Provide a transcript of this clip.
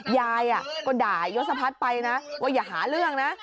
ยายก็ด่ายศพัฒน์ไปนะว่าอย่าหาเรื่องนะ